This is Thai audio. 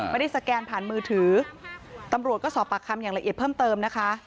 สแกนผ่านมือถือตำรวจก็สอบปากคำอย่างละเอียดเพิ่มเติมนะคะ